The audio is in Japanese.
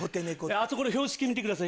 あそこの標識見てください。